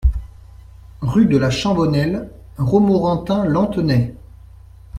Rue de la Chambonnelle, Romorantin-Lanthenay